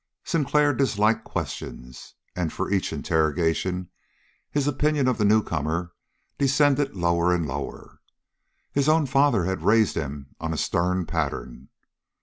Sinclair disliked questions, and for each interrogation his opinion of the newcomer descended lower and lower. His own father had raised him on a stern pattern.